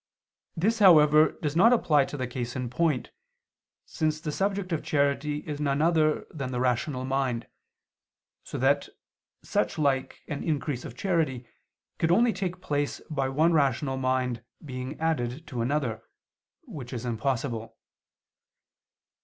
This, however, does not apply to the case in point, since the subject of charity is none other than the rational mind, so that such like an increase of charity could only take place by one rational mind being added to another; which is impossible.